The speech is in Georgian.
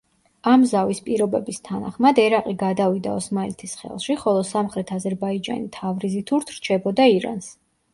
ამ ზავის პირობების თანახმად ერაყი გადავიდა ოსმალეთის ხელში, ხოლო სამხრეთ აზერბაიჯანი თავრიზითურთ რჩებოდა ირანს.